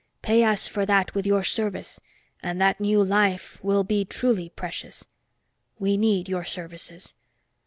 Pay us for that with your service, and that new life will be truly precious. We need your services."